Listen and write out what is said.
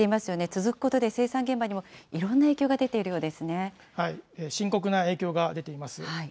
続くことで生産現場にも、いろん深刻な影響が出ています。